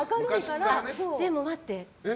でも、待って。